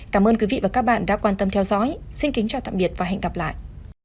cảm ơn quý vị và các bạn đã quan tâm theo dõi xin kính chào tạm biệt và hẹn gặp lại